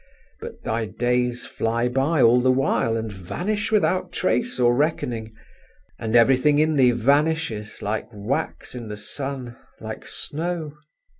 —but thy days fly by all the while, and vanish without trace or reckoning; and everything in thee vanishes, like wax in the sun, like snow….